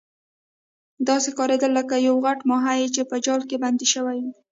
داسې ښکاریدل لکه یو غټ ماهي چې په جال کې بند شوی وي.